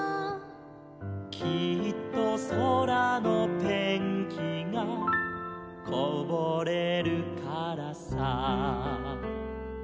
「きっとそらのペンキがこぼれるからさ」